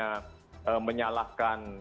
nah sehingga kita tidak bisa hanya